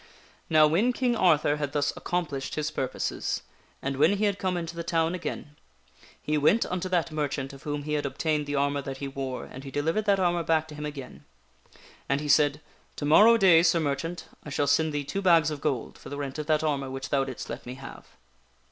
Now when King Arthur had thus accomplished his purposes, and when he had come into the town again, he went unto that merchant returiutkkit of whom he had obtained the armor that he wore, and he armor to the delivered that armor back to him again. And he said, " To morrow day, Sir Merchant, I shall send thee two bags of gold for the rent of that armor which thou didst let me have."